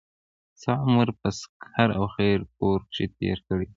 څۀ عمر پۀ سکهر او خېر پور کښې تير کړے وو